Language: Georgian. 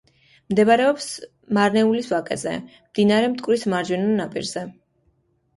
მდებარეობს მარნეულის ვაკეზე, მდინარე მტკვრის მარჯვენა ნაპირზე.